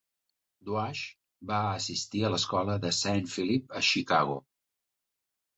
Duax va assistir a l'Escola de Saint Phillip a Chicago.